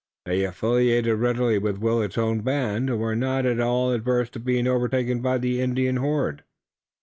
They affiliated readily with Willet's own band, and were not at all averse to being overtaken by the Indian horde.